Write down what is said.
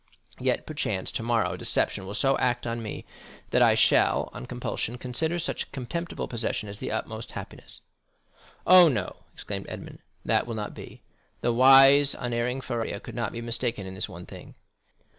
Yet perchance tomorrow deception will so act on me, that I shall, on compulsion, consider such a contemptible possession as the utmost happiness. Oh, no!" exclaimed Edmond, "that will not be. The wise, unerring Faria could not be mistaken in this one thing.